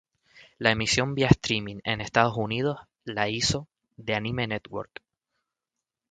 La emisión vía streaming en Estados Unidos, la hizo The Anime Network.